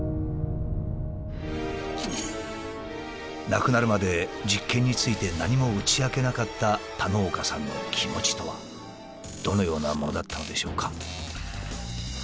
亡くなるまで実験について何も打ち明けなかった田野岡さんの気持ちとはどのようなものだったのでしょうか？